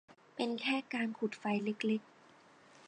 เป็นแค่การขุดไฟเล็ก ๆ